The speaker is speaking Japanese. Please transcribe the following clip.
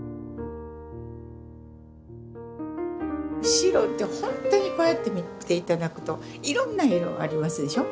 白って本当にこうやって見て頂くといろんな色ありますでしょ。